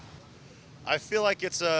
saya merasa ini adalah pengalaman